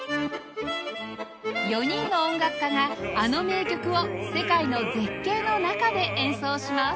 ４人の音楽家があの名曲を世界の絶景の中で演奏します